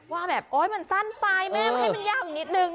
อ๋อให้มันสั้นไปแม่ให้มันยาวอีกนิดหนึ่ง